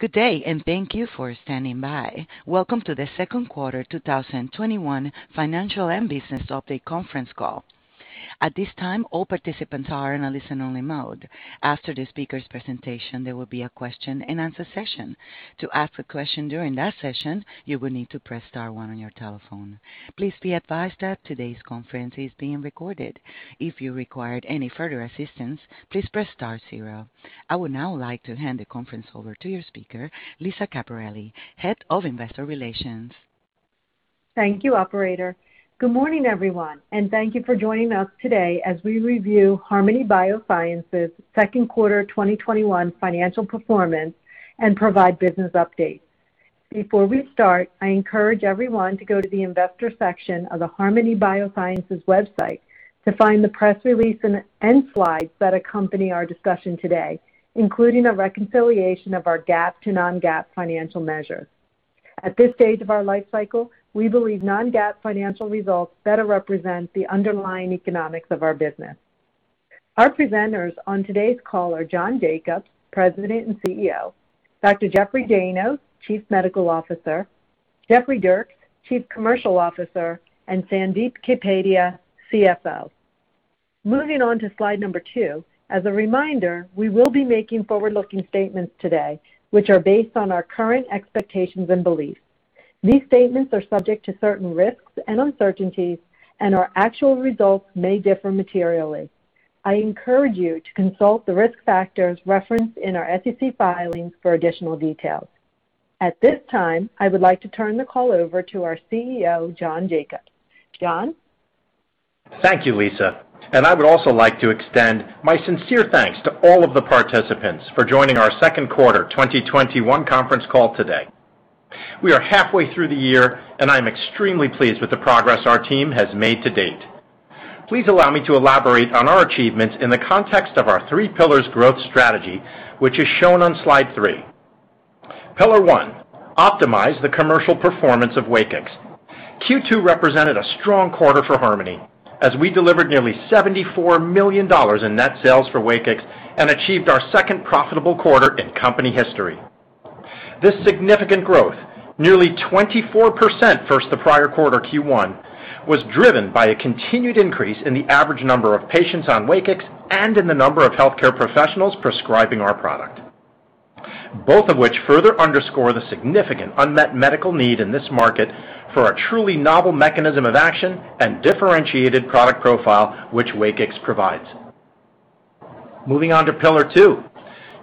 Good day, and thank you for standing by. Welcome to the second quarter 2021 financial and business update conference call. At this time, all participants are in a listen only mode. After the speaker's presentation, there will be a question-and-answer session. To ask a question during that session, you will need to press star one on your telephone. Please be advised that today's conference is being recorded. If you require any further assistance, please press star zero. I would now like to hand the conference over to your speaker, Lisa Caperelli, Head of Investor Relations. Thank you, operator. Good morning, everyone, and thank you for joining us today as we review Harmony Biosciences second quarter 2021 financial performance and provide business updates. Before we start, I encourage everyone to go to the investor section of the harmonybiosciences.com website to find the press release and end slides that accompany our discussion today, including a reconciliation of our GAAP to non-GAAP financial measures. At this stage of our life cycle, we believe non-GAAP financial results better represent the underlying economics of our business. Our presenters on today's call are John Jacobs, President and CEO, Dr. Jeffrey Dayno, Chief Medical Officer, Jeffrey Dierks, Chief Commercial Officer, and Sandip Kapadia, CFO. Moving on to Slide number two. As a reminder, we will be making forward-looking statements today, which are based on our current expectations and beliefs. These statements are subject to certain risks and uncertainties, and our actual results may differ materially. I encourage you to consult the risk factors referenced in our SEC filings for additional details. At this time, I would like to turn the call over to our CEO, John Jacobs. John? Thank you, Lisa. I would also like to extend my sincere thanks to all of the participants for joining our second quarter 2021 conference call today. We are halfway through the year, and I'm extremely pleased with the progress our team has made to date. Please allow me to elaborate on our achievements in the context of our three pillars growth strategy, which is shown on Slide three. Pillar one, optimize the commercial performance of WAKIX. Q2 represented a strong quarter for Harmony, as we delivered nearly $74 million in net sales for WAKIX and achieved our second profitable quarter in company history. This significant growth, nearly 24% versus the prior quarter Q1, was driven by a continued increase in the average number of patients on WAKIX and in the number of healthcare professionals prescribing our product, both of which further underscore the significant unmet medical need in this market for a truly novel mechanism of action and differentiated product profile, which WAKIX provides. Moving on to pillar two.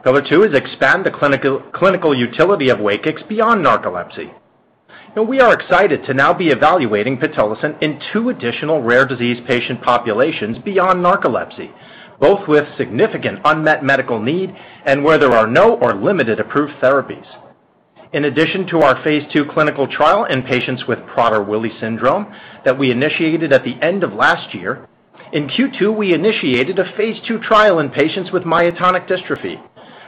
Pillar two is expand the clinical utility of WAKIX beyond narcolepsy. We are excited to now be evaluating pitolisant in two additional rare disease patient populations beyond narcolepsy, both with significant unmet medical need and where there are no or limited approved therapies. In addition to our phase II clinical trial in patients with Prader-Willi syndrome that we initiated at the end of last year, in Q2, we initiated a phase II trial in patients with myotonic dystrophy.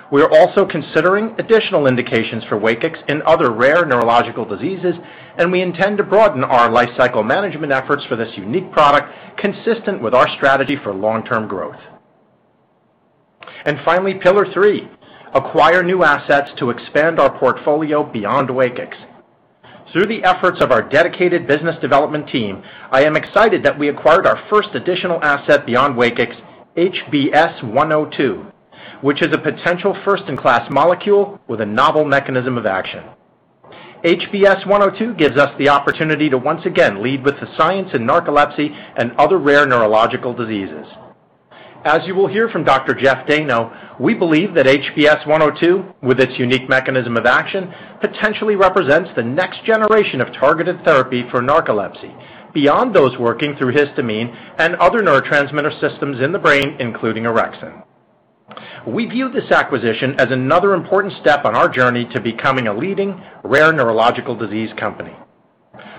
We are also considering additional indications for WAKIX in other rare neurological diseases. We intend to broaden our lifecycle management efforts for this unique product consistent with our strategy for long-term growth. Finally, pillar three, acquire new assets to expand our portfolio beyond WAKIX. Through the efforts of our dedicated business development team, I am excited that we acquired our first additional asset beyond WAKIX, HBS-102, which is a potential first-in-class molecule with a novel mechanism of action. HBS-102 gives us the opportunity to once again lead with the science in narcolepsy and other rare neurological diseases. As you will hear from Dr. Jeff Dayno, we believe that HBS-102, with its unique mechanism of action, potentially represents the next generation of targeted therapy for narcolepsy, beyond those working through histamine and other neurotransmitter systems in the brain, including orexin. We view this acquisition as another important step on our journey to becoming a leading rare neurological disease company.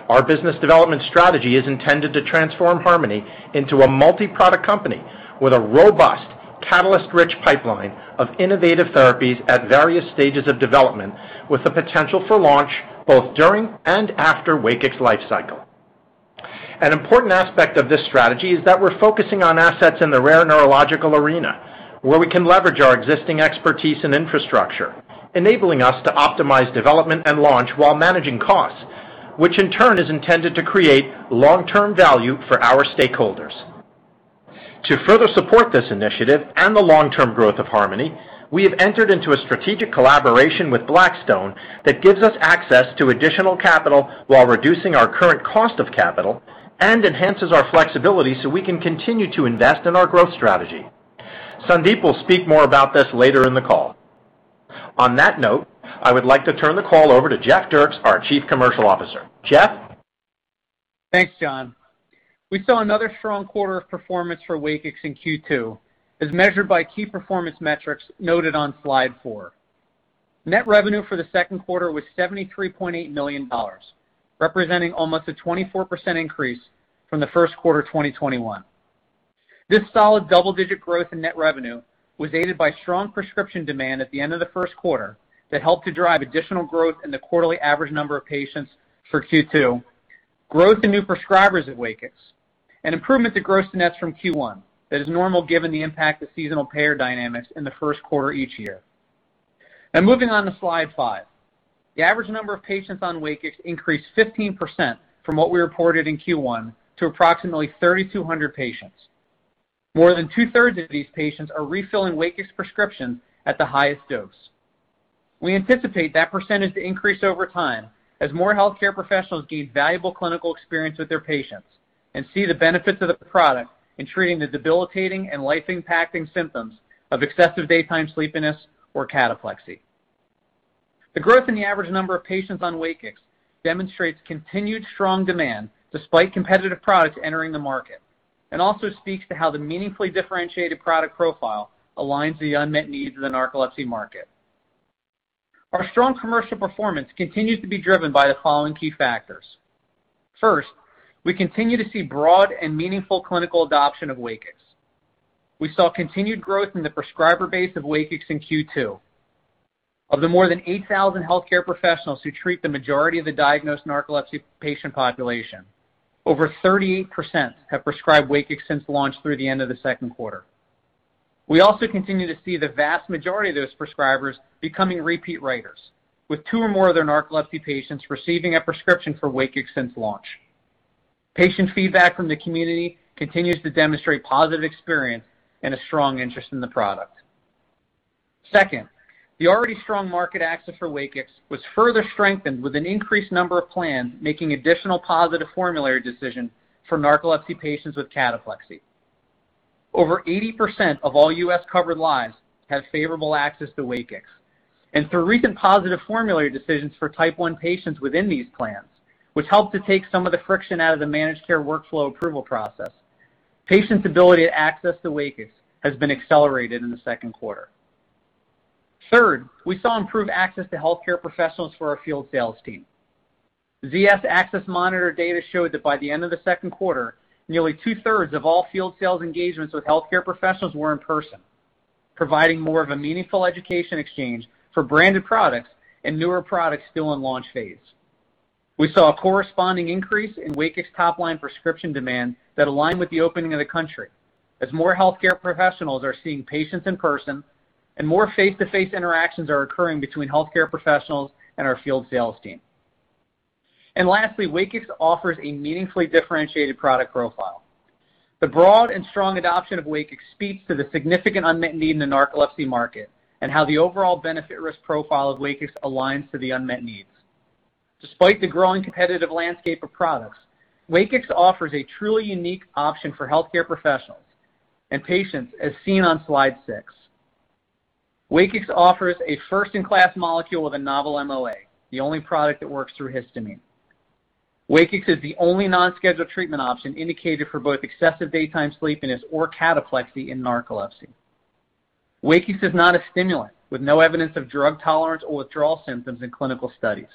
Our business development strategy is intended to transform Harmony into a multi-product company with a robust, catalyst-rich pipeline of innovative therapies at various stages of development, with the potential for launch both during and after WAKIX lifecycle. An important aspect of this strategy is that we're focusing on assets in the rare neurological arena, where we can leverage our existing expertise and infrastructure, enabling us to optimize development and launch while managing costs, which in turn is intended to create long-term value for our stakeholders. To further support this initiative and the long-term growth of Harmony, we have entered into a strategic collaboration with Blackstone that gives us access to additional capital while reducing our current cost of capital and enhances our flexibility so we can continue to invest in our growth strategy. Sandip will speak more about this later in the call. On that note, I would like to turn the call over to Jeff Dierks, our Chief Commercial Officer. Jeff? Thanks, John. We saw another strong quarter of performance for WAKIX in Q2, as measured by key performance metrics noted on Slide four. Net revenue for the second quarter was $73.8 million, representing almost a 24% increase from the first quarter 2021. This solid double-digit growth in net revenue was aided by strong prescription demand at the end of the first quarter that helped to drive additional growth in the quarterly average number of patients for Q2. Growth in new prescribers at WAKIX, and improvements in gross-to-nets from Q1 that is normal given the impact of seasonal payer dynamics in the first quarter each year. Now moving on to Slide five. The average number of patients on WAKIX increased 15% from what we reported in Q1 to approximately 3,200 patients. More than two-thirds of these patients are refilling WAKIX prescription at the highest dose. We anticipate that percentage to increase over time as more healthcare professionals gain valuable clinical experience with their patients and see the benefits of the product in treating the debilitating and life-impacting symptoms of excessive daytime sleepiness or cataplexy. The growth in the average number of patients on WAKIX demonstrates continued strong demand despite competitive products entering the market, and also speaks to how the meaningfully differentiated product profile aligns the unmet needs of the narcolepsy market. Our strong commercial performance continues to be driven by the following key factors. We continue to see broad and meaningful clinical adoption of WAKIX. We saw continued growth in the prescriber base of WAKIX in Q2. Of the more than 8,000 healthcare professionals who treat the majority of the diagnosed narcolepsy patient population, over 38% have prescribed WAKIX since launch through the end of the second quarter. We also continue to see the vast majority of those prescribers becoming repeat writers, with two or more of their narcolepsy patients receiving a prescription for WAKIX since launch. Patient feedback from the community continues to demonstrate positive experience and a strong interest in the product. The already strong market access for WAKIX was further strengthened with an increased number of plans making additional positive formulary decision for narcolepsy patients with cataplexy. Over 80% of all U.S.-covered lives have favorable access to WAKIX, and through recent positive formulary decisions for type one patients within these plans, which helped to take some of the friction out of the managed care workflow approval process, patients' ability to access to WAKIX has been accelerated in the second quarter. Third, we saw improved access to healthcare professionals for our field sales team. ZS AccessMonitor data showed that by the end of the second quarter, nearly 2/3 of all field sales engagements with healthcare professionals were in person, providing more of a meaningful education exchange for branded products and newer products still in launch phase. We saw a corresponding increase in WAKIX top-line prescription demand that aligned with the opening of the country as more healthcare professionals are seeing patients in person and more face-to-face interactions are occurring between healthcare professionals and our field sales team. Lastly, WAKIX offers a meaningfully differentiated product profile. The broad and strong adoption of WAKIX speaks to the significant unmet need in the narcolepsy market and how the overall benefit risk profile of WAKIX aligns to the unmet needs. Despite the growing competitive landscape of products, WAKIX offers a truly unique option for healthcare professionals and patients as seen on Slide six. WAKIX offers a first-in-class molecule with a novel MOA, the only product that works through histamine. WAKIX is the only non-scheduled treatment option indicated for both excessive daytime sleepiness or cataplexy in narcolepsy. WAKIX is not a stimulant, with no evidence of drug tolerance or withdrawal symptoms in clinical studies.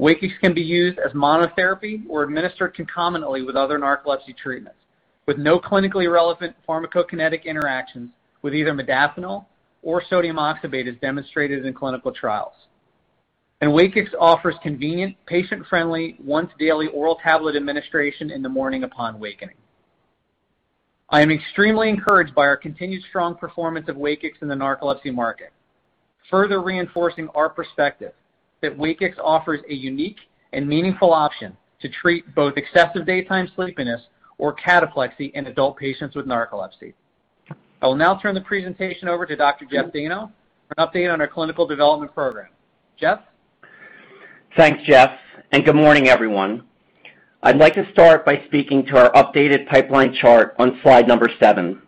WAKIX can be used as monotherapy or administered concomitantly with other narcolepsy treatments, with no clinically relevant pharmacokinetic interactions with either modafinil or sodium oxybate as demonstrated in clinical trials. WAKIX offers convenient, patient-friendly, once daily oral tablet administration in the morning upon wakening. I am extremely encouraged by our continued strong performance of WAKIX in the narcolepsy market, further reinforcing our perspective that WAKIX offers a unique and meaningful option to treat both excessive daytime sleepiness or cataplexy in adult patients with narcolepsy. I will now turn the presentation over to Dr. Jeff Dayno for an update on our clinical development program. Jeff? Thanks, Jeff, and good morning, everyone. I'd like to start by speaking to our updated pipeline chart on Slide number seven.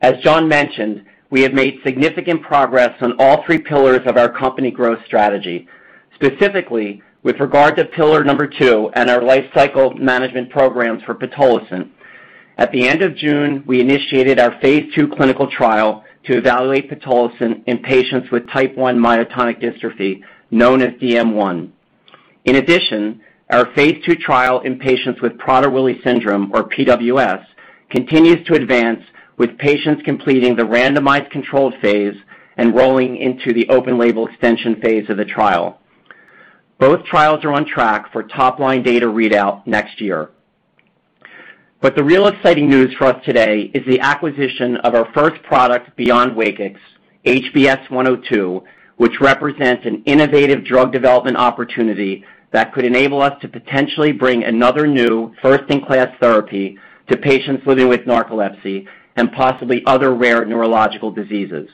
As John mentioned, we have made significant progress on all three pillars of our company growth strategy, specifically with regard to pillar number two and our lifecycle management programs for pitolisant. At the end of June, we initiated our phase II clinical trial to evaluate pitolisant in patients with type one myotonic dystrophy, known as DM1. In addition, our phase II trial in patients with Prader-Willi syndrome, or PWS, continues to advance with patients completing the randomized controlled phase and rolling into the open label extension phase of the trial. Both trials are on track for top-line data readout next year. The real exciting news for us today is the acquisition of our first product beyond WAKIX, HBS-102, which represents an innovative drug development opportunity that could enable us to potentially bring another new first-in-class therapy to patients living with narcolepsy and possibly other rare neurological diseases.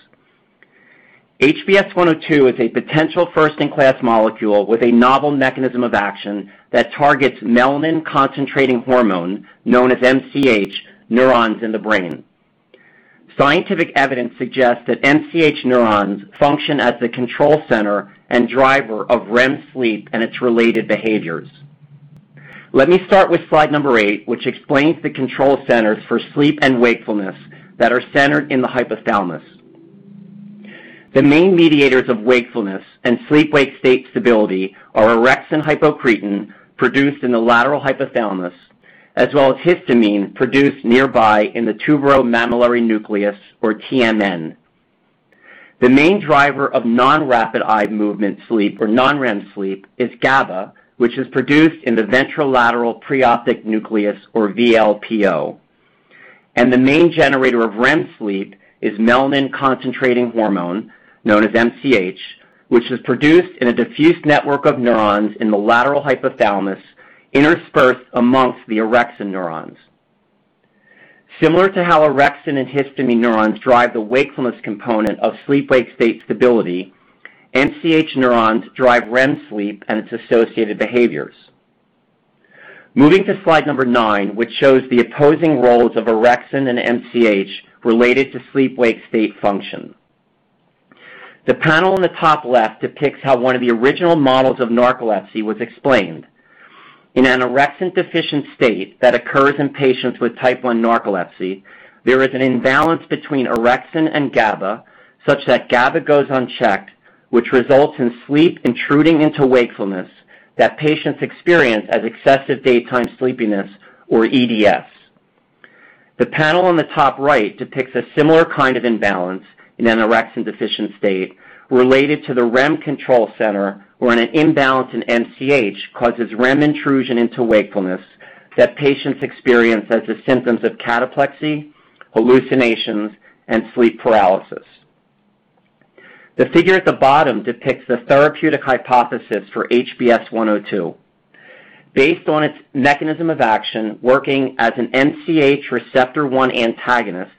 HBS-102 is a potential first-in-class molecule with a novel mechanism of action that targets melanin-concentrating hormone, known as MCH, neurons in the brain. Scientific evidence suggests that MCH neurons function as the control center and driver of REM sleep and its related behaviors. Let me start with Slide number eight, which explains the control centers for sleep and wakefulness that are centered in the hypothalamus. The main mediators of wakefulness and sleep-wake state stability are orexin/hypocretin, produced in the lateral hypothalamus, as well as histamine produced nearby in the tuberomammillary nucleus, or TMN. The main driver of non-rapid eye movement sleep, or non-REM sleep, is GABA, which is produced in the ventrolateral preoptic nucleus, or VLPO. The main generator of REM sleep is melanin-concentrating hormone, known as MCH, which is produced in a diffuse network of neurons in the lateral hypothalamus, interspersed amongst the orexin neurons. Similar to how orexin and histamine neurons drive the wakefulness component of sleep-wake state stability, MCH neurons drive REM sleep and its associated behaviors. Moving to Slide number NINE, which shows the opposing roles of orexin and MCH related to sleep-wake state function. The panel on the top left depicts how one of the original models of narcolepsy was explained. In an orexin-deficient state that occurs in patients with type one narcolepsy, there is an imbalance between orexin and GABA, such that GABA goes unchecked, which results in sleep intruding into wakefulness that patients experience as excessive daytime sleepiness or EDS. The panel on the top right depicts a similar kind of imbalance in an orexin-deficient state related to the REM control center, where an imbalance in MCH causes REM intrusion into wakefulness that patients experience as the symptoms of cataplexy, hallucinations, and sleep paralysis. The figure at the bottom depicts the therapeutic hypothesis for HBS-102. Based on its mechanism of action, working as an MCH receptor 1 antagonist,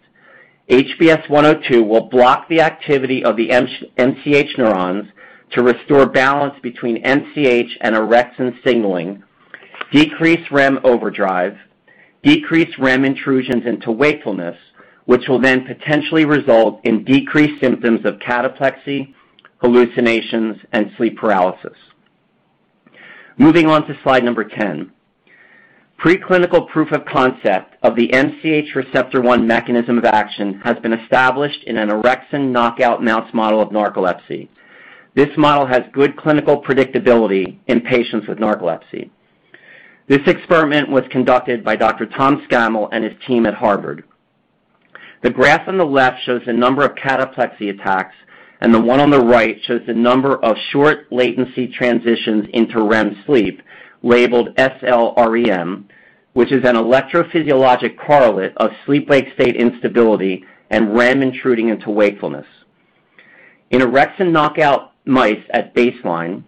HBS-102 will block the activity of the MCH neurons to restore balance between MCH and orexin signaling, decrease REM overdrive, decrease REM intrusions into wakefulness, which will then potentially result in decreased symptoms of cataplexy, hallucinations, and sleep paralysis. Moving on to Slide number 10. Preclinical proof of concept of the MCH Receptor 1 mechanism of action has been established in an orexin knockout mouse model of narcolepsy. This model has good clinical predictability in patients with narcolepsy. This experiment was conducted by Dr. Thomas Scammell and his team at Harvard. The graph on the left shows the number of cataplexy attacks, and the one on the right shows the number of short latency transitions into REM sleep, labeled SLREM, which is an electrophysiologic correlate of sleep-wake state instability and REM intruding into wakefulness. In orexin knockout mice at baseline,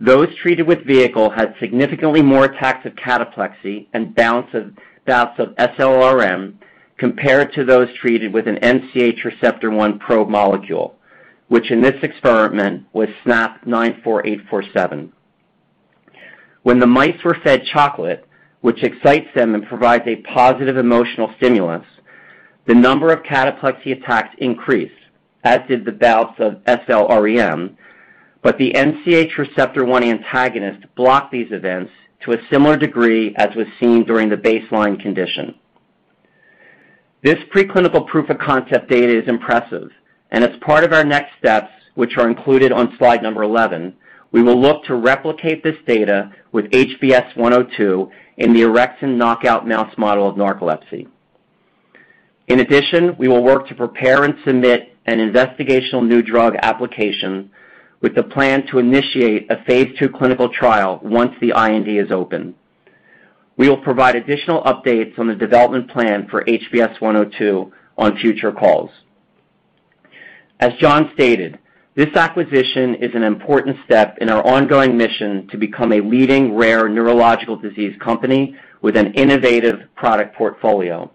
those treated with vehicle had significantly more attacks of cataplexy and bouts of SLREM compared to those treated with an MCH receptor 1 probe molecule, which in this experiment was SNAP-94847. When the mice were fed chocolate, which excites them and provides a positive emotional stimulus, the number of cataplexy attacks increased, as did the bouts of SLREM, but the MCH receptor 1 antagonist blocked these events to a similar degree as was seen during the baseline condition. This preclinical proof of concept data is impressive, and as part of our next steps, which are included on Slide number 11, we will look to replicate this data with HBS-102 in the orexin knockout mouse model of narcolepsy. In addition, we will work to prepare and submit an investigational new drug application with the plan to initiate a phase II clinical trial once the IND is open. We will provide additional updates on the development plan for HBS-102 on future calls. As John stated, this acquisition is an important step in our ongoing mission to become a leading rare neurological disease company with an innovative product portfolio.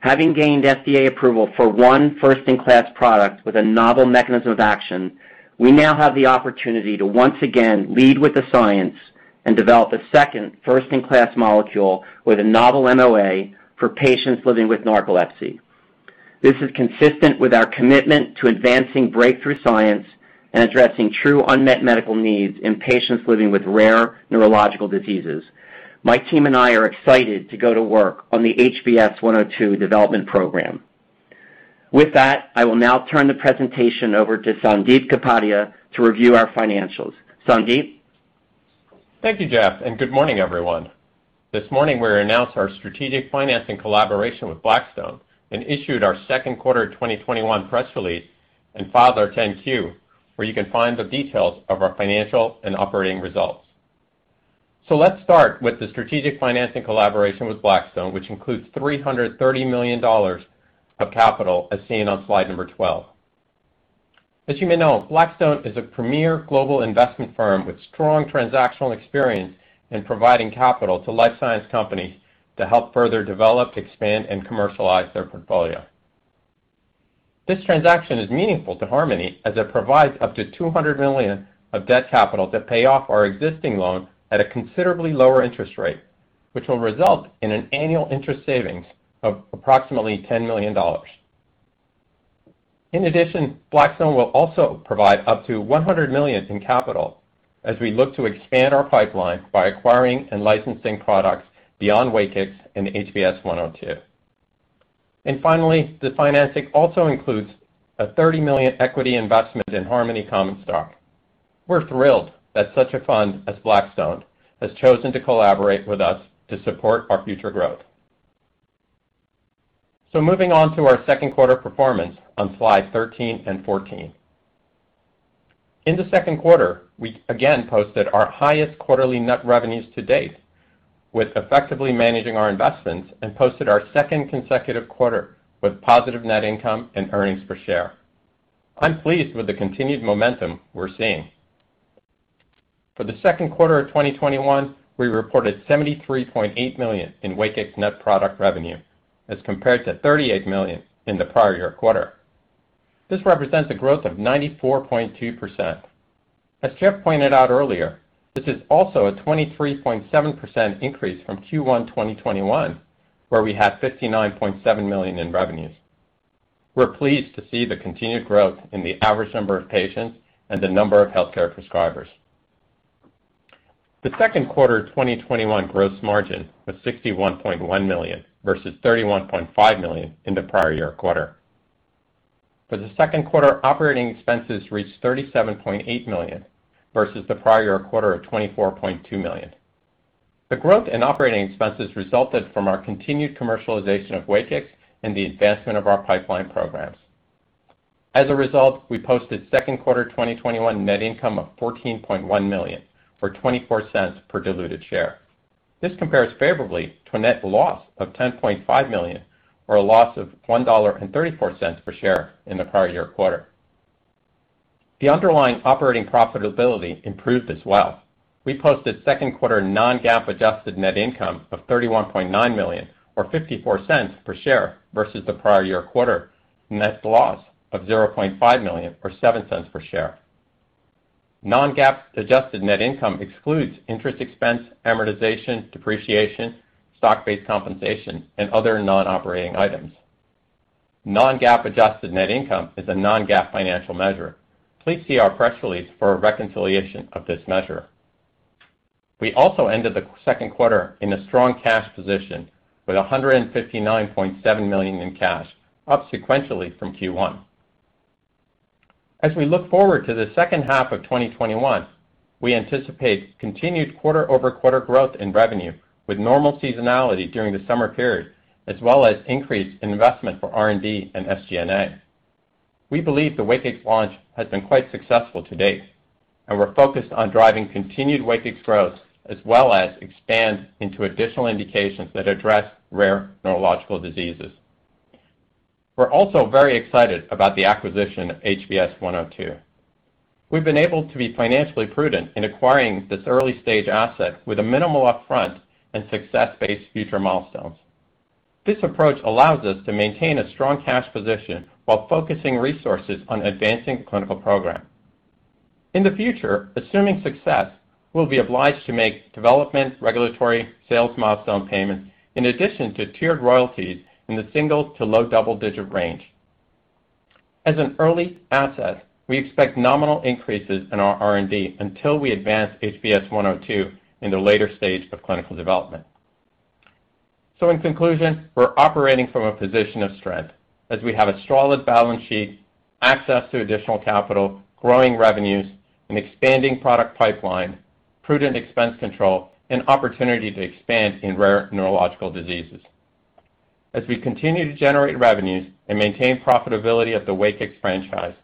Having gained FDA approval for one first-in-class product with a novel mechanism of action, we now have the opportunity to once again lead with the science and develop a second first-in-class molecule with a novel MOA for patients living with narcolepsy. This is consistent with our commitment to advancing breakthrough science and addressing true unmet medical needs in patients living with rare neurological diseases. My team and I are excited to go to work on the HBS-102 development program. With that, I will now turn the presentation over to Sandip Kapadia to review our financials. Sandip? Thank you, Jeff. Good morning, everyone. This morning, we announced our strategic financing collaboration with Blackstone and issued our second quarter 2021 press release and filed our 10-Q, where you can find the details of our financial and operating results. Let's start with the strategic financing collaboration with Blackstone, which includes $330 million of capital, as seen on Slide number 12. As you may know, Blackstone is a premier global investment firm with strong transactional experience in providing capital to life science companies to help further develop, expand, and commercialize their portfolio. This transaction is meaningful to Harmony as it provides up to $200 million of debt capital to pay off our existing loan at a considerably lower interest rate, which will result in an annual interest savings of approximately $10 million. Blackstone will also provide up to $100 million in capital as we look to expand our pipeline by acquiring and licensing products beyond WAKIX and HBS-102. Finally, the financing also includes a $30 million equity investment in Harmony common stock. We're thrilled that such a fund as Blackstone has chosen to collaborate with us to support our future growth. Moving on to our second quarter performance on Slides 13 and 14. In the second quarter, we again posted our highest quarterly net revenues to date with effectively managing our investments and posted our second consecutive quarter with positive net income and earnings per share. I'm pleased with the continued momentum we're seeing. For the second quarter of 2021, we reported $73.8 million in WAKIX net product revenue as compared to $38 million in the prior year quarter. This represents a growth of 94.2%. As Jeff pointed out earlier, this is also a 23.7% increase from Q1 2021, where we had $59.7 million in revenues. We're pleased to see the continued growth in the average number of patients and the number of healthcare prescribers. The second quarter 2021 gross margin was $61.1 million versus $31.5 million in the prior year quarter. For the second quarter, operating expenses reached $37.8 million versus the prior year quarter of $24.2 million. The growth in operating expenses resulted from our continued commercialization of WAKIX and the advancement of our pipeline programs. As a result, we posted second quarter 2021 net income of $14.1 million, or $0.24 per diluted share. This compares favorably to a net loss of $10.5 million, or a loss of $1.34 per share in the prior year quarter. The underlying operating profitability improved as well. We posted second quarter non-GAAP adjusted net income of $31.9 million, or $0.54 per share, versus the prior year quarter net loss of $0.5 million, or $0.07 per share. Non-GAAP adjusted net income excludes interest expense, amortization, depreciation, stock-based compensation, and other non-operating items. Non-GAAP adjusted net income is a non-GAAP financial measure. Please see our press release for a reconciliation of this measure. We also ended the second quarter in a strong cash position with $159.7 million in cash, up sequentially from Q1. As we look forward to the second half of 2021, we anticipate continued quarter-over-quarter growth in revenue with normal seasonality during the summer period, as well as increased investment for R&D and SG&A. We believe the WAKIX launch has been quite successful to date, and we're focused on driving continued WAKIX growth as well as expand into additional indications that address rare neurological diseases. We're also very excited about the acquisition of HBS-102. We've been able to be financially prudent in acquiring this early-stage asset with a minimal upfront and success-based future milestones. This approach allows us to maintain a strong cash position while focusing resources on advancing the clinical program. In the future, assuming success, we'll be obliged to make development, regulatory, sales milestone payments in addition to tiered royalties in the single to low double-digit range. As an early asset, we expect nominal increases in our R&D until we advance HBS-102 in the later stage of clinical development. In conclusion, we're operating from a position of strength as we have a solid balance sheet, access to additional capital, growing revenues, an expanding product pipeline, prudent expense control, and opportunity to expand in rare neurological diseases. As we continue to generate revenues and maintain profitability of the WAKIX franchise,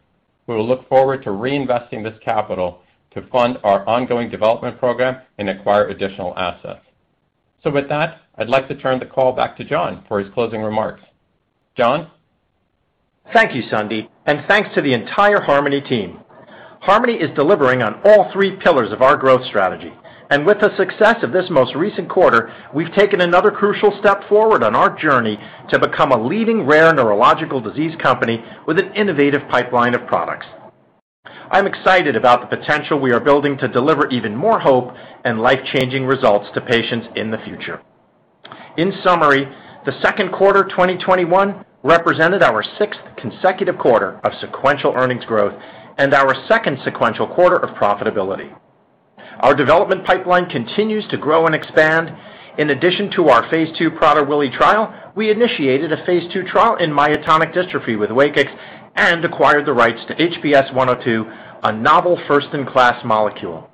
we will look forward to reinvesting this capital to fund our ongoing development program and acquire additional assets. With that, I'd like to turn the call back to John for his closing remarks. John? Thank you, Sandip, and thanks to the entire Harmony team. Harmony is delivering on all three pillars of our growth strategy, and with the success of this most recent quarter, we've taken another crucial step forward on our journey to become a leading rare neurological disease company with an innovative pipeline of products. I'm excited about the potential we are building to deliver even more hope and life-changing results to patients in the future. In summary, the second quarter 2021 represented our sixth consecutive quarter of sequential earnings growth and our second sequential quarter of profitability. Our development pipeline continues to grow and expand. In addition to our phase II Prader-Willi trial, we initiated a phase II trial in myotonic dystrophy with WAKIX and acquired the rights to HBS-102, a novel first-in-class molecule.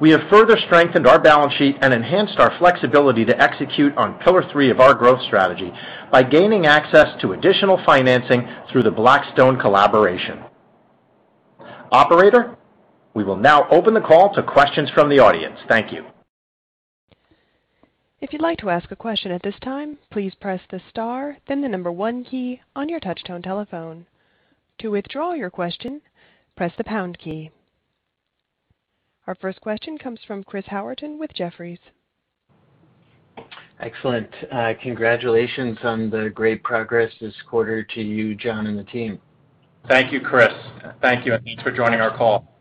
We have further strengthened our balance sheet and enhanced our flexibility to execute on pillar three of our growth strategy by gaining access to additional financing through the Blackstone collaboration. Operator, we will now open the call to questions from the audience. Thank you. If you'd like to ask a question at this time, please press the star, then the number one key on your touch-tone telephone. To withdraw your question, press the pound key. Our first question comes from Chris Howerton with Jefferies. Excellent. Congratulations on the great progress this quarter to you, John, and the team. Thank you, Chris. Thank you. Thanks for joining our call.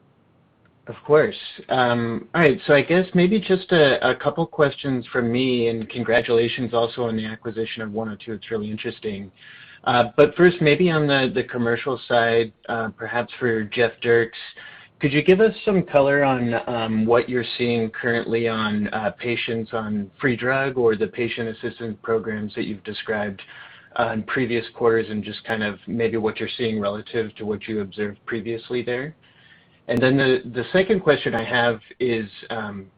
Of course. All right, I guess maybe just a couple questions from me. Congratulations also on the acquisition of 102. It's really interesting. First, maybe on the commercial side, perhaps for Jeff Dierks, could you give us some color on what you're seeing currently on patients on free drug or the patient assistance programs that you've described? On previous quarters and just kind of maybe what you're seeing relative to what you observed previously there. The second question I have is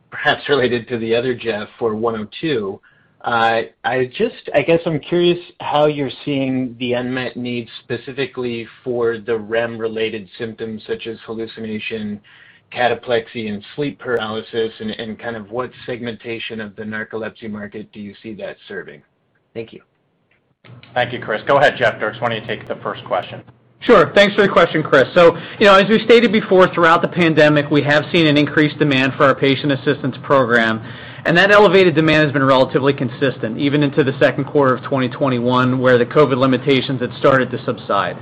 perhaps related to the other Jeff for 102. I guess I'm curious how you're seeing the unmet needs specifically for the REM-related symptoms such as hallucination, cataplexy, and sleep paralysis, and kind of what segmentation of the narcolepsy market do you see that serving? Thank you. Thank you, Chris. Go ahead, Jeff Dierks. Why don't you take the first question? Sure. Thanks for the question, Chris. As we've stated before, throughout the pandemic, we have seen an increased demand for our patient assistance program, and that elevated demand has been relatively consistent even into the second quarter of 2021, where the COVID limitations had started to subside.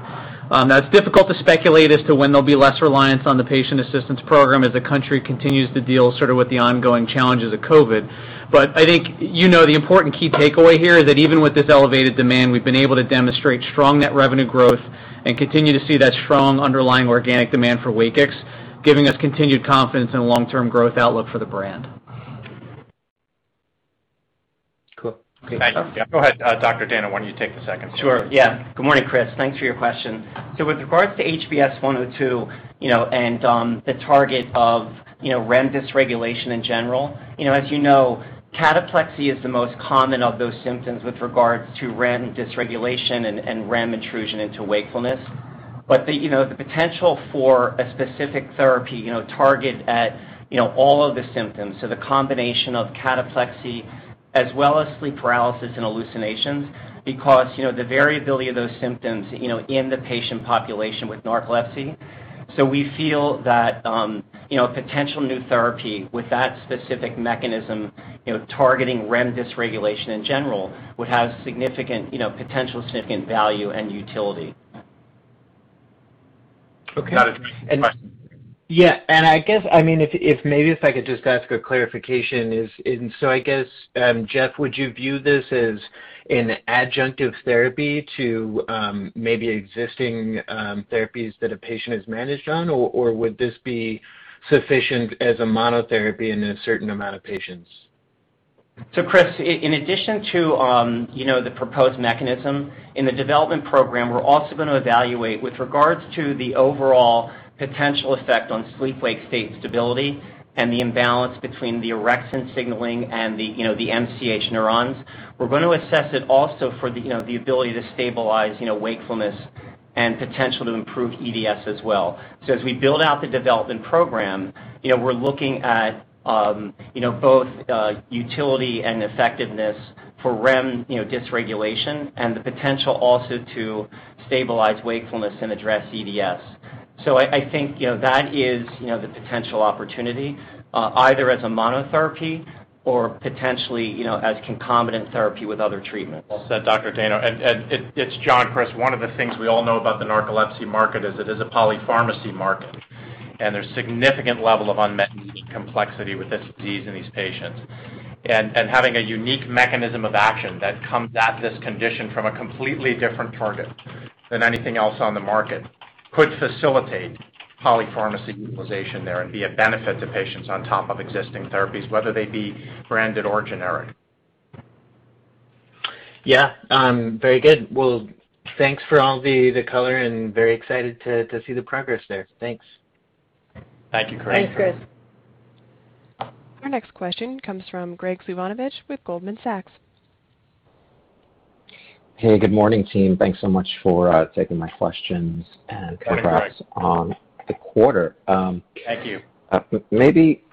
Now, it's difficult to speculate as to when there'll be less reliance on the patient assistance program as the country continues to deal sort of with the ongoing challenges of COVID. I think you know the important key takeaway here is that even with this elevated demand, we've been able to demonstrate strong net revenue growth and continue to see that strong underlying organic demand for WAKIX, giving us continued confidence in the long-term growth outlook for the brand. Cool. Okay. Thank you. Go ahead, Dr. Dayno. Why don't you take the second one? Good morning, Chris. Thanks for your question. With regards to HBS-102 and the target of REM dysregulation in general, as you know, cataplexy is the most common of those symptoms with regards to REM dysregulation and REM intrusion into wakefulness. The potential for a specific therapy targeted at all of the symptoms, so the combination of cataplexy as well as sleep paralysis and hallucinations, because the variability of those symptoms in the patient population with narcolepsy. We feel that potential new therapy with that specific mechanism, targeting REM dysregulation in general, would have potential significant value and utility. Okay. If that answers your question. Yeah. I guess if maybe I could just ask a clarification is, I guess, Jeff, would you view this as an adjunctive therapy to maybe existing therapies that a patient is managed on, or would this be sufficient as a monotherapy in a certain amount of patients? Chris, in addition to the proposed mechanism in the development program, we're also going to evaluate with regards to the overall potential effect on sleep-wake state stability and the imbalance between the orexin signaling and the MCH neurons. We're going to assess it also for the ability to stabilize wakefulness and potential to improve EDS as well. As we build out the development program, we're looking at both utility and effectiveness for REM dysregulation and the potential also to stabilize wakefulness and address EDS. I think that is the potential opportunity, either as a monotherapy or potentially as concomitant therapy with other treatments. Well said, Dr. Dayno, and it's John, Chris, one of the things we all know about the narcolepsy market is it is a polypharmacy market, and there's significant level of unmet need complexity with this disease in these patients. Having a unique mechanism of action that comes at this condition from a completely different target than anything else on the market could facilitate polypharmacy utilization there and be a benefit to patients on top of existing therapies, whether they be branded or generic. Yeah. Very good. Thanks for all the color and very excited to see the progress there. Thanks. Thank you, Chris. Thanks, Chris. Our next question comes from Graig Suvannavejh with Goldman Sachs. Hey, good morning, team. Thanks so much for taking my questions. Good morning, Graig. perhaps on the quarter. Thank you. Maybe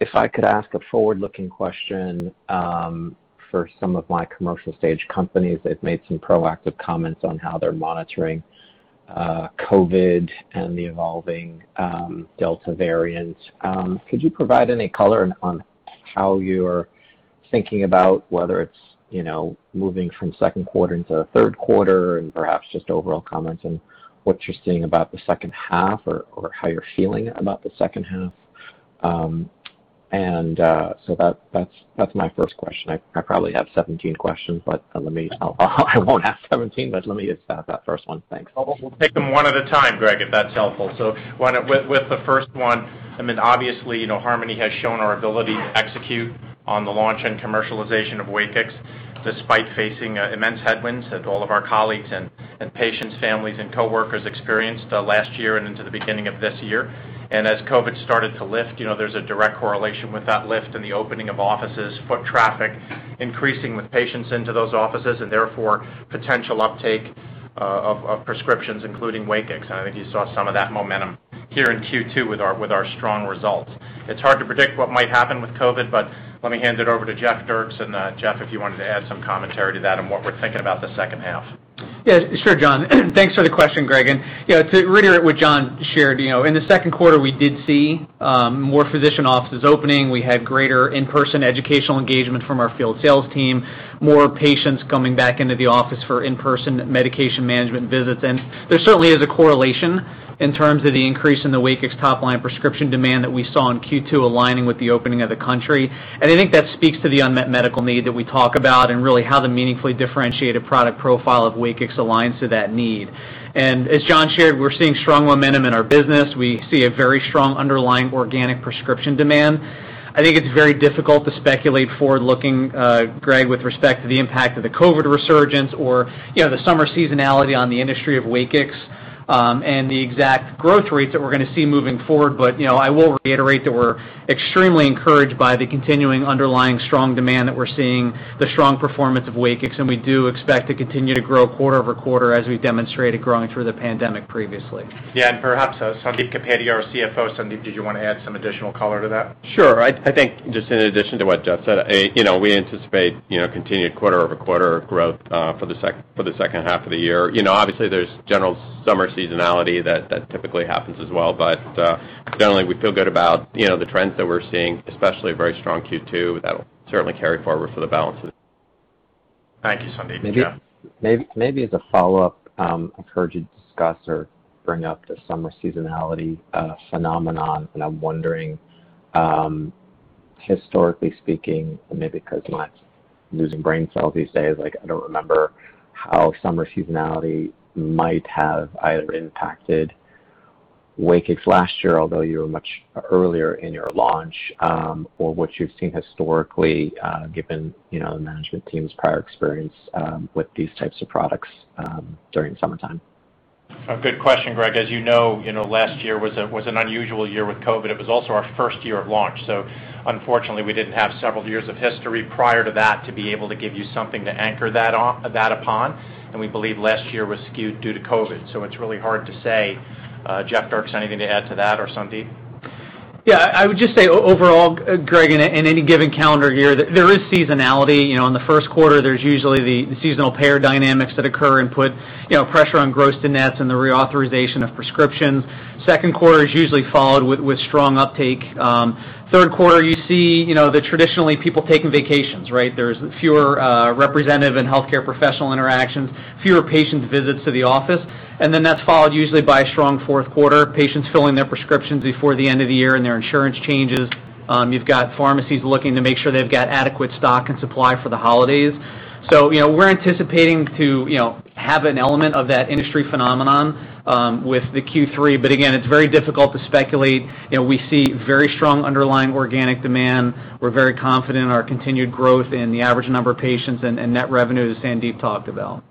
if I could ask a forward-looking question for some of my commercial stage companies that've made some proactive comments on how they're monitoring COVID and the evolving Delta variant. Could you provide any color on how you're thinking about whether it's moving from second quarter into third quarter and perhaps just overall comments on what you're seeing about the second half or how you're feeling about the second half? That's my first question. I probably have 17 questions, but I won't ask 17, but let me just have that first one. Thanks. We'll take them one at a time, Graig, if that's helpful. With the first one, I mean, obviously, Harmony has shown our ability to execute on the launch and commercialization of WAKIX, despite facing immense headwinds that all of our colleagues and patients, families, and coworkers experienced last year and into the beginning of this year. As COVID started to lift, there's a direct correlation with that lift in the opening of offices, foot traffic, increasing with patients into those offices, and therefore, potential uptake of prescriptions, including WAKIX. I think you saw some of that momentum here in Q2 with our strong results. It's hard to predict what might happen with COVID, but let me hand it over to Jeff Dierks, and Jeff, if you wanted to add some commentary to that and what we're thinking about the second half. Yeah, sure, John. Thanks for the question, Graig. To reiterate what John shared, in the second quarter, we did see more physician offices opening. We had greater in-person educational engagement from our field sales team, more patients coming back into the office for in-person medication management visits. There certainly is a correlation in terms of the increase in the WAKIX top-line prescription demand that we saw in Q2 aligning with the opening of the country. I think that speaks to the unmet medical need that we talk about and really how the meaningfully differentiated product profile of WAKIX aligns to that need. As John shared, we're seeing strong momentum in our business. We see a very strong underlying organic prescription demand. I think it's very difficult to speculate forward-looking, Greg, with respect to the impact of the COVID resurgence or the summer seasonality on the industry of WAKIX, and the exact growth rates that we're going to see moving forward. I will reiterate that we're extremely encouraged by the continuing underlying strong demand that we're seeing, the strong performance of WAKIX, and we do expect to continue to grow quarter-over-quarter as we've demonstrated growing through the pandemic previously. Yeah. Perhaps Sandip Kapadia, our CFO. Sandip, did you want to add some additional color to that? Sure. I think just in addition to what Jeff said, we anticipate continued quarter-over-quarter growth for the second half of the year. Obviously, there's general summer seasonality that typically happens as well. Generally, we feel good about the trends that we're seeing, especially a very strong Q2 that'll certainly carry forward for the balance of the year. Thank you, Sandip. Jeff? Maybe as a follow-up, I've heard you discuss or bring up the summer seasonality phenomenon. I'm wondering, historically speaking, maybe because I'm losing brain cells these days, I don't remember how summer seasonality might have either impacted WAKIX last year, although you were much earlier in your launch, or what you've seen historically, given the management team's prior experience with these types of products during the summertime? A good question, Graig. As you know, last year was an unusual year with COVID. It was also our first year of launch, so unfortunately, we didn't have several years of history prior to that to be able to give you something to anchor that upon. We believe last year was skewed due to COVID, so it's really hard to say. Jeff Dierks, anything to add to that, or Sandip? I would just say overall, Graig, in any given calendar year, there is seasonality. In the first quarter, there's usually the seasonal payer dynamics that occur and put pressure on gross to nets and the reauthorization of prescriptions. Second quarter is usually followed with strong uptake. Third quarter, you see traditionally people taking vacations, right? There's fewer representative and healthcare professional interactions, fewer patient visits to the office. That's followed usually by a strong fourth quarter, patients filling their prescriptions before the end of the year and their insurance changes. You've got pharmacies looking to make sure they've got adequate stock and supply for the holidays. We're anticipating to have an element of that industry phenomenon with the Q3. Again, it's very difficult to speculate. We see very strong underlying organic demand. We're very confident in our continued growth in the average number of patients and net revenue that Sandip talked about.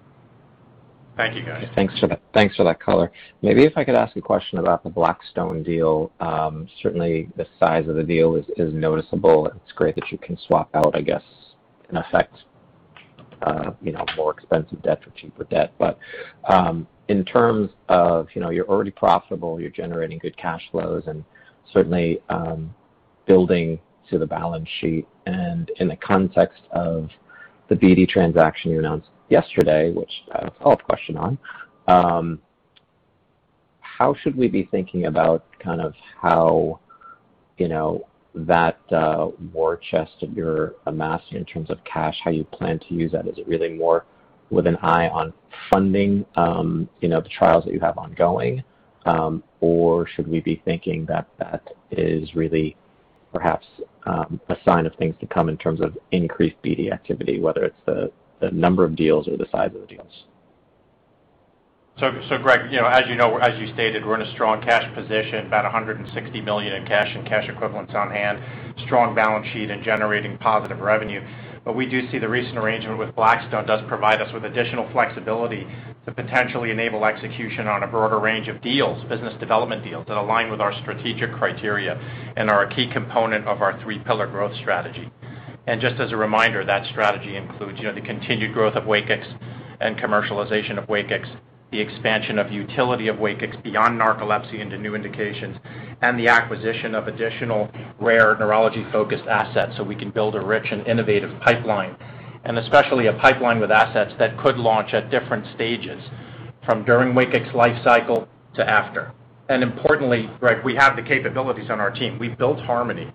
Thank you, guys. Thanks for that color. Maybe if I could ask a question about the Blackstone deal. Certainly, the size of the deal is noticeable. It's great that you can swap out, I guess, in effect more expensive debt for cheaper debt. In terms of you're already profitable, you're generating good cash flows, and certainly building to the balance sheet. In the context of the BD transaction you announced yesterday, which I'll have a follow-up question on, how should we be thinking about how that war chest that you're amassing in terms of cash, how you plan to use that? Is it really more with an eye on funding the trials that you have ongoing? Should we be thinking that that is really perhaps a sign of things to come in terms of increased BD activity, whether it's the number of deals or the size of the deals? Graig, as you stated, we're in a strong cash position, about $160 million in cash and cash equivalents on hand, strong balance sheet and generating positive revenue. We do see the recent arrangement with Blackstone does provide us with additional flexibility to potentially enable execution on a broader range of deals, business development deals that align with our strategic criteria and are a key component of our three-pillar growth strategy. Just as a reminder, that strategy includes the continued growth of WAKIX and commercialization of WAKIX, the expansion of utility of WAKIX beyond narcolepsy into new indications, and the acquisition of additional rare neurology-focused assets so we can build a rich and innovative pipeline. Especially a pipeline with assets that could launch at different stages from during WAKIX life cycle to after. Importantly, Graig, we have the capabilities on our team. We built Harmony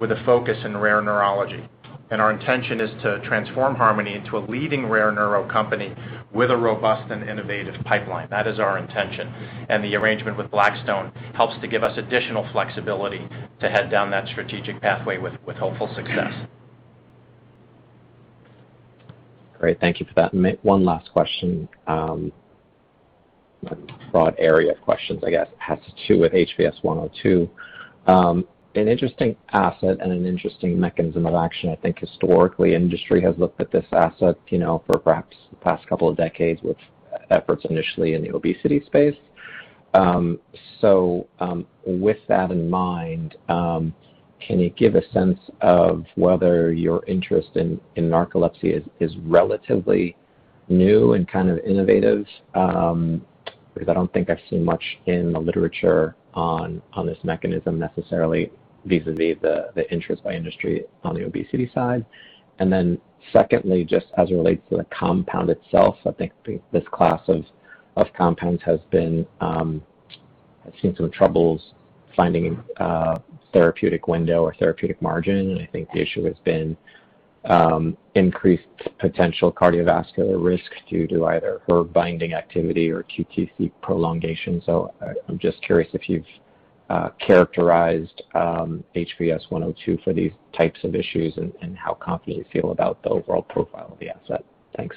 with a focus in rare neurology. Our intention is to transform Harmony into a leading rare neuro company with a robust and innovative pipeline. That is our intention. The arrangement with Blackstone helps to give us additional flexibility to head down that strategic pathway with hopeful success. Great. Thank you for that. One last question. A broad area of questions, I guess. It has to do with HBS-102. An interesting asset and an interesting mechanism of action. I think historically, industry has looked at this asset for perhaps the past couple of decades with efforts initially in the obesity space. With that in mind, can you give a sense of whether your interest in narcolepsy is relatively new and kind of innovative? I don't think I've seen much in the literature on this mechanism necessarily vis-a-vis the interest by industry on the obesity side. Secondly, just as it relates to the compound itself, I think this class of compounds has seen some troubles finding a therapeutic window or therapeutic margin. I think the issue has been increased potential cardiovascular risk due to either hERG binding activity or QTc prolongation. I'm just curious if you've characterized HBS-102 for these types of issues and how confident you feel about the overall profile of the asset. Thanks.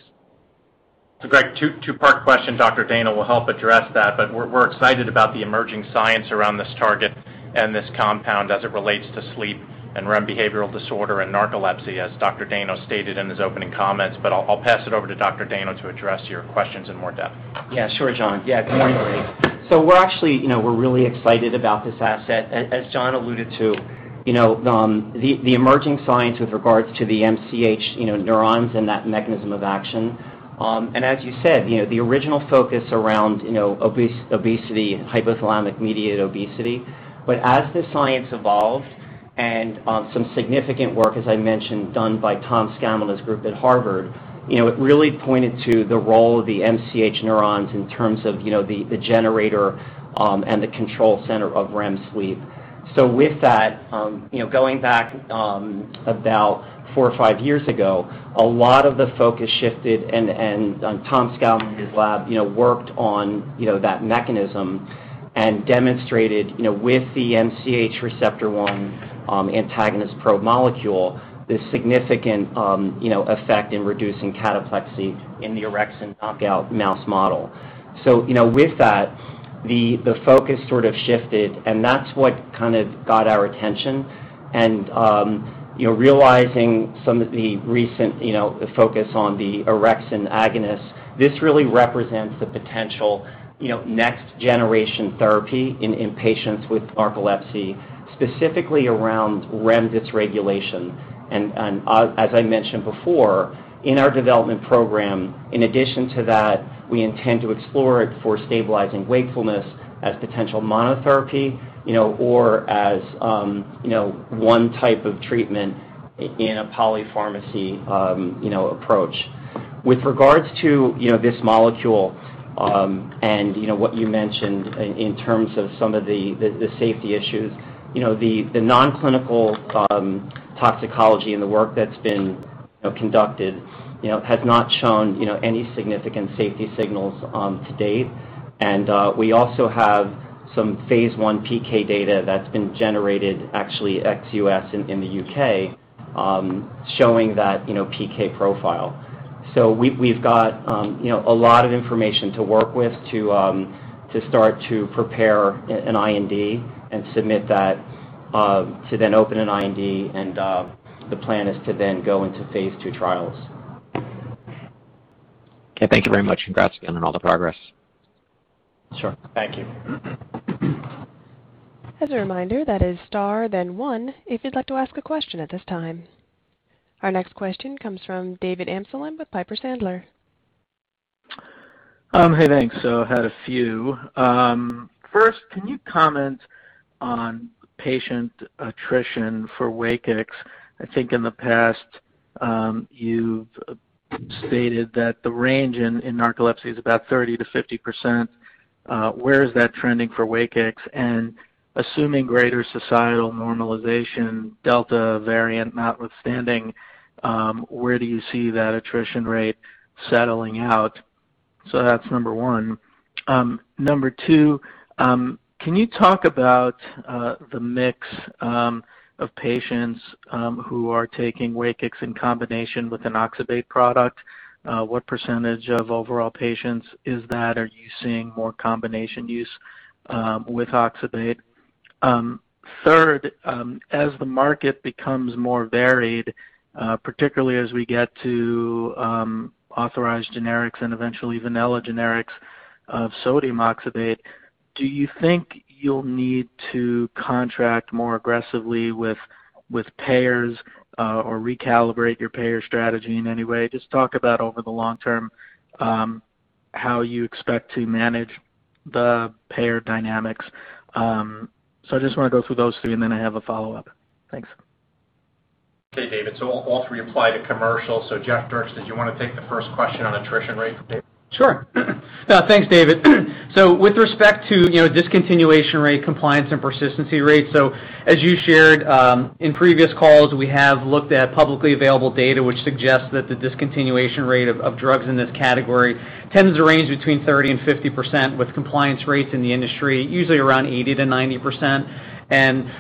Graig, two-part question. Dr. Dayno will help address that, but we're excited about the emerging science around this target and this compound as it relates to sleep and REM behavioral disorder and narcolepsy, as Dr. Dayno stated in his opening comments. I'll pass it over to Dr. Dayno to address your questions in more depth. Sure, John. Good morning. We're actually really excited about this asset. As John alluded to, the emerging science with regards to the MCH neurons and that mechanism of action. As you said, the original focus around obesity and hypothalamic mediated obesity. As the science evolved and some significant work, as I mentioned, done by Thomas Scammell's group at Harvard, it really pointed to the role of the MCH neurons in terms of the generator and the control center of REM sleep. With that, going back about four or five years ago, a lot of the focus shifted and Thomas Scammell and his lab worked on that mechanism and demonstrated with the MCH receptor 1 antagonist probe molecule, this significant effect in reducing cataplexy in the orexin knockout mouse model. With that, the focus sort of shifted, and that's what kind of got our attention and realizing some of the recent focus on the orexin agonist, this really represents the potential next-generation therapy in patients with narcolepsy, specifically around REM dysregulation. As I mentioned before, in our development program, in addition to that, we intend to explore it for stabilizing wakefulness as potential monotherapy or as one type of treatment in a polypharmacy approach. With regards to this molecule, and what you mentioned in terms of some of the safety issues, the non-clinical toxicology and the work that's been conducted has not shown any significant safety signals to date. We also have some phase I PK data that's been generated actually ex-U.S. in the U.K., showing that PK profile. We've got a lot of information to work with to start to prepare an IND and submit that to then open an IND and the plan is to then go into phase II trials. Okay. Thank you very much. Congrats again on all the progress. Sure. Thank you. As a reminder, that is star, then one if you'd like to ask a question at this time. Our next question comes from David Amsellem with Piper Sandler. Hey, thanks. I had a few. First, can you comment on patient attrition for WAKIX? I think in the past, you've stated that the range in narcolepsy is about 30%-50%. Where is that trending for WAKIX? Assuming greater societal normalization, Delta variant notwithstanding, where do you see that attrition rate settling out? That's number one. Number two, can you talk about the mix of patients who are taking WAKIX in combination with an oxybate product? What percentage of overall patients is that? Are you seeing more combination use with oxybate? Third, as the market becomes more varied, particularly as we get to authorized generics and eventually vanilla generics of sodium oxybate, do you think you'll need to contract more aggressively with payers or recalibrate your payer strategy in any way? Just talk about over the long term, how you expect to manage the payer dynamics. I just want to go through those three, and then I have a follow-up. Thanks. Okay, David. All three apply to commercial. Jeff Dierks, did you want to take the first question on attrition rate for David? Sure. Thanks, David. With respect to discontinuation rate, compliance, and persistency rates, so as you shared in previous calls, we have looked at publicly available data which suggests that the discontinuation rate of drugs in this category tends to range between 30%-50%, with compliance rates in the industry usually around 80%-90%.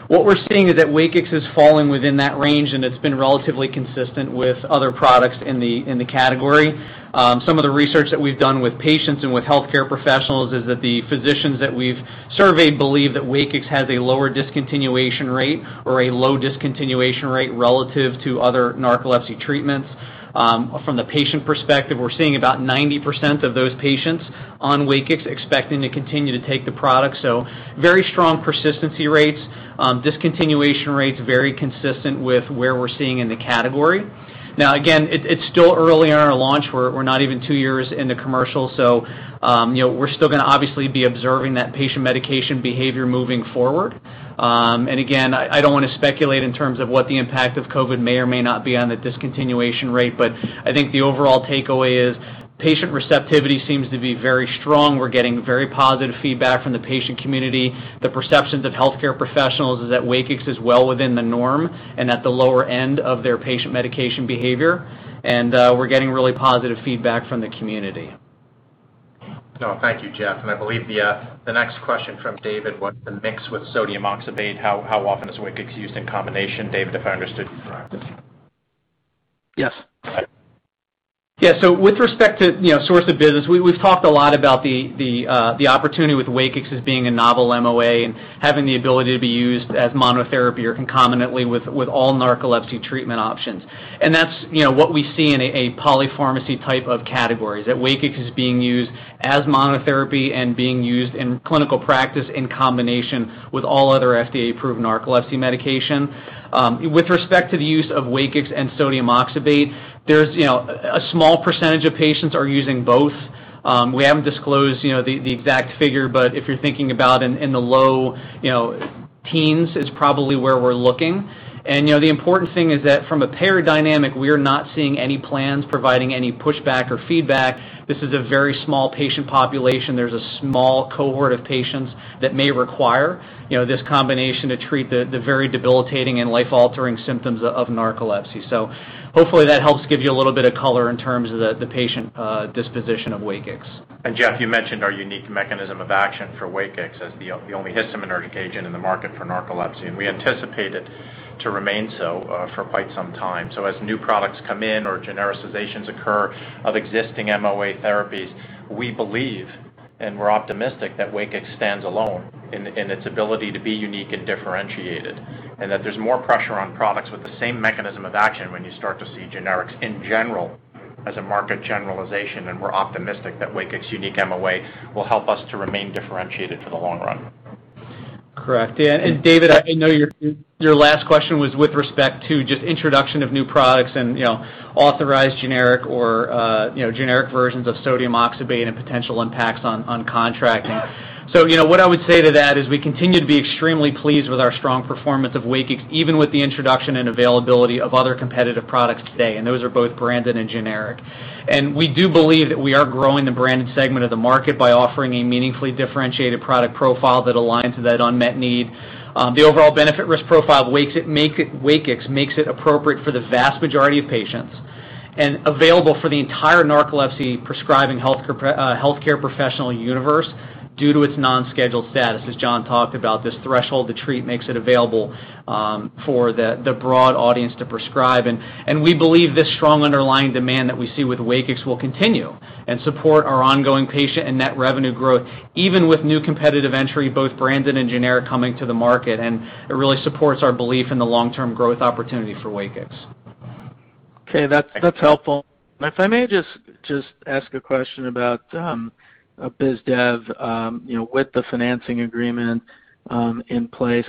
What we're seeing is that WAKIX is falling within that range, and it's been relatively consistent with other products in the category. Some of the research that we've done with patients and with healthcare professionals is that the physicians that we've surveyed believe that WAKIX has a lower discontinuation rate or a low discontinuation rate relative to other narcolepsy treatments. From the patient perspective, we're seeing about 90% of those patients on WAKIX expecting to continue to take the product. Very strong persistency rates, discontinuation rates very consistent with where we're seeing in the category. Again, it's still early in our launch. We're not even two years into commercial, so we're still going to obviously be observing that patient medication behavior moving forward. Again, I don't want to speculate in terms of what the impact of COVID may or may not be on the discontinuation rate. I think the overall takeaway is patient receptivity seems to be very strong. We're getting very positive feedback from the patient community. The perceptions of healthcare professionals is that WAKIX is well within the norm and at the lower end of their patient medication behavior. We're getting really positive feedback from the community. No, thank you, Jeff. I believe the next question from David was the mix with sodium oxybate, how often is WAKIX used in combination? David, if I understood you correctly. Yes. All right. With respect to source of business, we've talked a lot about the opportunity with WAKIX as being a novel MOA and having the ability to be used as monotherapy or concomitantly with all narcolepsy treatment options. That's what we see in a polypharmacy type of category, that WAKIX is being used as monotherapy and being used in clinical practice in combination with all other FDA-approved narcolepsy medication. With respect to the use of WAKIX and sodium oxybate, a small percentage of patients are using both. We haven't disclosed the exact figure, but if you're thinking about in the low teens is probably where we're looking. The important thing is that from a payer dynamic, we are not seeing any plans providing any pushback or feedback. This is a very small patient population. There's a small cohort of patients that may require this combination to treat the very debilitating and life-altering symptoms of narcolepsy. Hopefully, that helps give you a little bit of color in terms of the patient disposition of WAKIX. Jeff, you mentioned our unique mechanism of action for WAKIX as the only histaminergic agent in the market for narcolepsy. We anticipate it to remain so for quite some time. As new products come in or genericizations occur of existing MOA therapies, we believe, and we're optimistic that WAKIX stands alone in its ability to be unique and differentiated, and that there's more pressure on products with the same mechanism of action when you start to see generics in general as a market generalization. We're optimistic that WAKIX unique MOA will help us to remain differentiated for the long run. Correct. Yeah. David, I know your last question was with respect to just introduction of new products and authorized generic or generic versions of sodium oxybate and potential impacts on contracting. What I would say to that is we continue to be extremely pleased with our strong performance of WAKIX, even with the introduction and availability of other competitive products today. Those are both branded and generic. We do believe that we are growing the branded segment of the market by offering a meaningfully differentiated product profile that aligns with that unmet need. The overall benefit risk profile of WAKIX makes it appropriate for the vast majority of patients and available for the entire narcolepsy prescribing healthcare professional universe due to its non-scheduled status. As John talked about, this threshold to treat makes it available for the broad audience to prescribe. We believe this strong underlying demand that we see with WAKIX will continue and support our ongoing patient and net revenue growth, even with new competitive entry, both branded and generic coming to the market. It really supports our belief in the long-term growth opportunity for WAKIX. Okay. That's helpful. If I may just ask a question about biz dev with the financing agreement in place.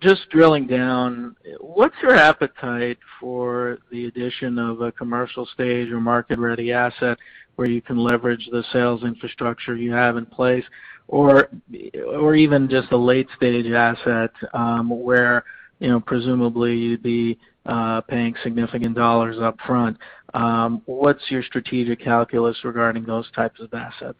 Just drilling down, what's your appetite for the addition of a commercial-stage or market-ready asset where you can leverage the sales infrastructure you have in place or even just a late-stage asset where presumably you'd be paying significant dollars upfront? What's your strategic calculus regarding those types of assets?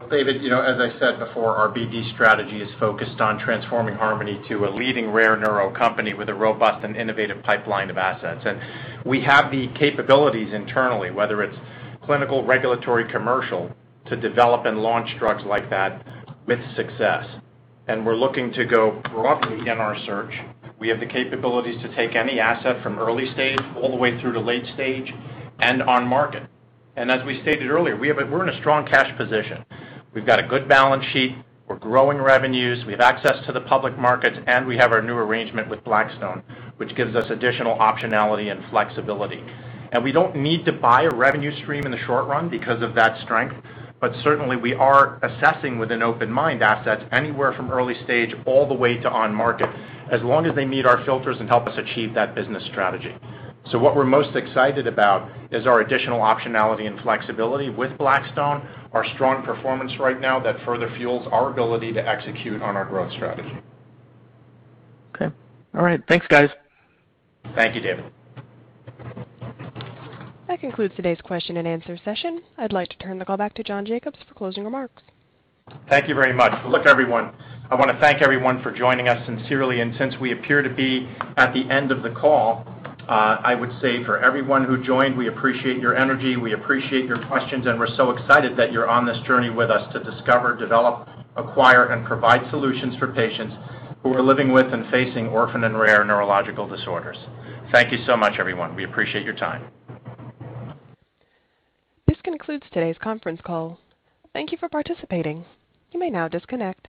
Well, David, as I said before, our BD strategy is focused on transforming Harmony into a leading rare neuro company with a robust and innovative pipeline of assets. We have the capabilities internally, whether it's clinical, regulatory, commercial, to develop and launch drugs like that with success. We're looking to go broadly in our search. We have the capabilities to take any asset from early stage all the way through to late stage and on market. As we stated earlier, we're in a strong cash position. We've got a good balance sheet. We're growing revenues. We have access to the public markets, and we have our new arrangement with Blackstone, which gives us additional optionality and flexibility. We don't need to buy a revenue stream in the short run because of that strength. Certainly, we are assessing with an open mind assets anywhere from early stage all the way to on market, as long as they meet our filters and help us achieve that business strategy. What we're most excited about is our additional optionality and flexibility with Blackstone, our strong performance right now that further fuels our ability to execute on our growth strategy. Okay. All right. Thanks, guys. Thank you, David. That concludes today's question-and-answer session. I'd like to turn the call back to John Jacobs for closing remarks. Thank you very much. Look, everyone, I want to thank everyone for joining us sincerely, and since we appear to be at the end of the call, I would say for everyone who joined, we appreciate your energy, we appreciate your questions, and we're so excited that you're on this journey with us to discover, develop, acquire, and provide solutions for patients who are living with and facing orphan and rare neurological disorders. Thank you so much, everyone. We appreciate your time. This concludes today's conference call. Thank you for participating. You may now disconnect.